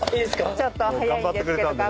ちょっと早いですけど。